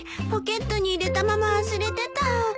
ポケットに入れたまま忘れてた。